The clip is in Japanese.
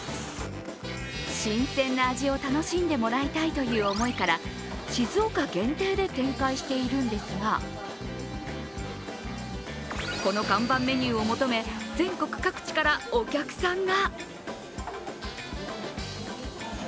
新鮮な味を楽しんでもらいたいという思いから静岡限定で展開しているんですがこの看板メニューを求め全国各地からお客さんが。